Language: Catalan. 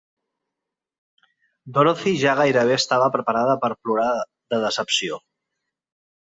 Dorothy ja gairebé estava preparada per plorar de decepció.